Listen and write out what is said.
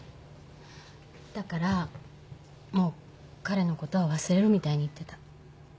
だからもう彼のことは忘れるみたいに言ってた。